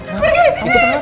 pergi kau pergi